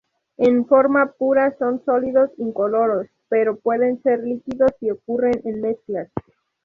En forma pura son sólidos incoloros, pero pueden ser líquidos si ocurren en mezclas.